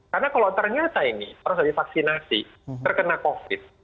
karena kalau ternyata ini orang saja bisa mengalami covid